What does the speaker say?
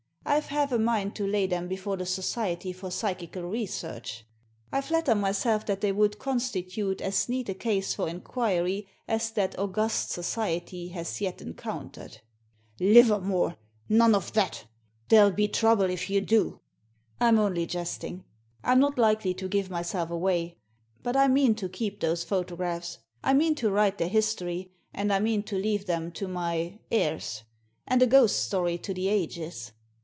I've half a mind to lay them before the Society for Psychical Research. I flatter myself that they would constitute as neat a case for inquiry as that august society has yet encountered." " Livermore ! None of that ! There'll be trouble if you do 1 "" I'm only jesting. I'm not likely to give myself Digitized by VjOOQIC 46 THE SEEN AND THE UNSEEN away. But I mean to keep those photographs; I mean to write their history, and I mean to leave them to my — theirs, and a ghost story to the ages.